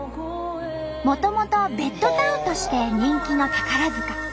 もともとベッドタウンとして人気の宝塚。